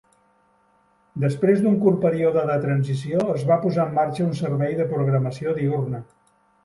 Després d'un curt període de transició, es va posar en marxa un servei de programació diürna.